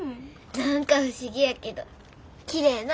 何か不思議やけどきれいな。